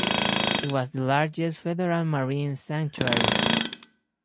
It was the largest federal marine sanctuary.